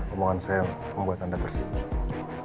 omongan saya membuat anda tersinggung